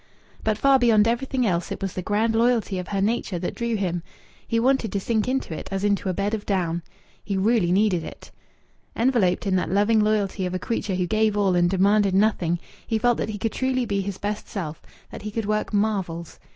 But far beyond everything else it was the grand loyalty of her nature that drew him. He wanted to sink into it as into a bed of down. He really needed it. Enveloped in that loving loyalty of a creature who gave all and demanded nothing, he felt that he could truly be his best self, that he could work marvels.